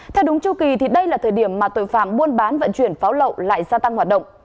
theo đúng chu kỳ đây là thời điểm mà tội phạm buôn bán vận chuyển pháo lậu lại gia tăng hoạt động